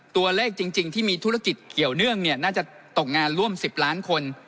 ตัวเลขจริงที่มีธุรกิจเกี่ยวเนื่องน่าจะตกงานร่วม๑๐ล้านคน